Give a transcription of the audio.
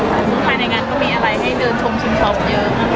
สุภาใดกันก็มีอะไรให้เดินชมชิงพร้อมเยอะ